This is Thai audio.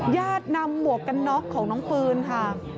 ญาตินำหมวกกันน็อกของน้องปืนค่ะ